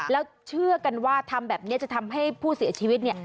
แล้วเชื่อกันว่าทำแบบนี้จะทำให้ผู้เสียชีวิตเนี่ย